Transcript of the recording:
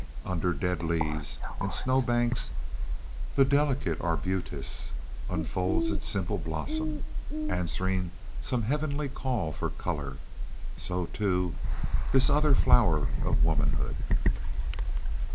Under dead leaves and snow banks the delicate arbutus unfolds its simple blossom, answering some heavenly call for color. So, too, this other flower of womanhood.